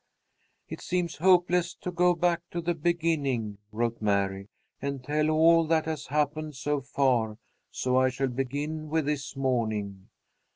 "It seems hopeless to go back to the beginning," wrote Mary, "and tell all that has happened so far, so I shall begin with this morning.